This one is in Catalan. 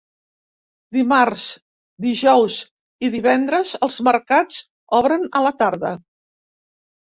Dimarts, dijous i divendres els mercats obren a la tarda.